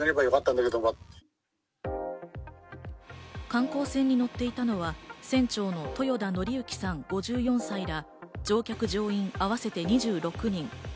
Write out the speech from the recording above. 観光船に乗っていたのは船長の豊田徳幸さん、５４歳ら乗客乗員合わせて２６人。